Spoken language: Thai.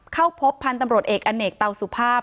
เข้าพบพันธุ์ตำรวจเอกอเนกเตาสุภาพ